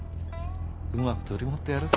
うまく取り持ってやるさ。